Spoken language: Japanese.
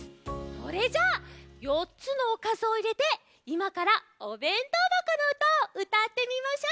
それじゃ４つのおかずをいれていまから「おべんとうばこのうた」をうたってみましょう。